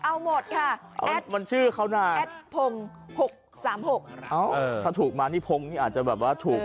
เอาหมดค่ะมันชื่อเขาหน่าแอดพงหกสามหกเออถ้าถูกมานี่พงนี่อาจจะแบบว่าถูก